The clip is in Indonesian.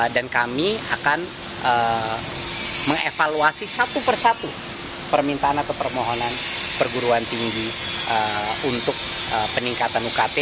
dan kami akan mengevaluasi satu persatu permintaan atau permohonan perguruan tinggi untuk peningkatan ukt